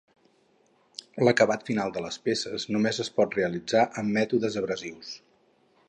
L'acabat final de les peces només es pot realitzar amb mètodes abrasius.